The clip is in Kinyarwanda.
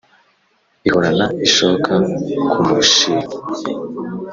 Ihorana ishoka n'umushiha